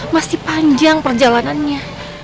masih panjang perjalanannya